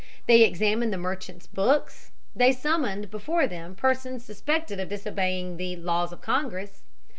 They examined the merchants' books. They summoned before them persons suspected of disobeying "the laws of Congress."